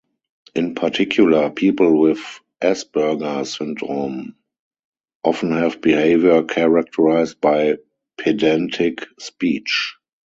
In particular, people with Asperger syndrome often have behaviour characterized by pedantic speech.